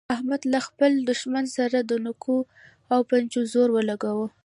احمد له خپل دوښمن سره د نوکو او پنجو زور ولګاوو.